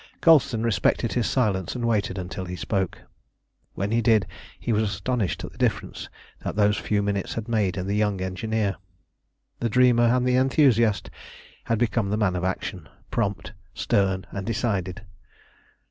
Colston respected his silence, and waited until he spoke. When he did he was astonished at the difference that those few minutes had made in the young engineer. The dreamer and the enthusiast had become the man of action, prompt, stern, and decided.